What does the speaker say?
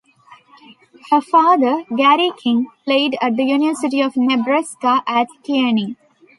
Her father, Gary King, played at the University of Nebraska at Kearney.